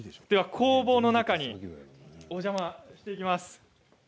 工房の中にお邪魔していきます。